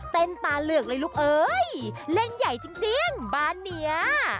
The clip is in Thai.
ตาเหลือกเลยลูกเอ้ยเล่นใหญ่จริงบ้านเนี้ย